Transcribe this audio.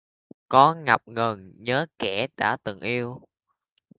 Có ngập ngừng nhớ kẻ đã từng yêu?